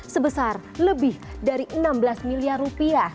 sebesar lebih dari enam belas miliar rupiah